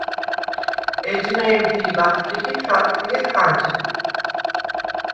ეჯნე̄მდი̄ ლახტიხ ი ჩვაწჲე ხაჯი.